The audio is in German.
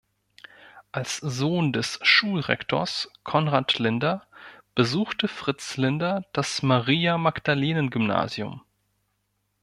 Als Sohn des Schulrektors Konrad Linder besuchte Fritz Linder das Maria-Magdalenen-Gymnasium.